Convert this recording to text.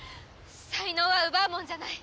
才能は奪うもんじゃない！